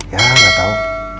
ya gak tau